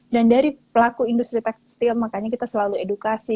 dan dari pelaku industri tekstil makanya kita selalu edukasi